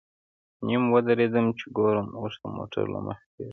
نیم ودرېدم چې ګورم اوښ د موټر له مخې تېر شو.